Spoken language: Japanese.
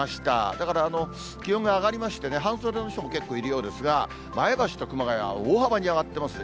だから気温が上がりましてね、半袖の人も結構いるようですが、前橋と熊谷は大幅に上がってますね。